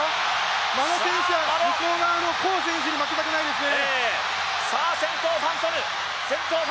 眞野選手は向こう側のコウ選手に負けたくないですね。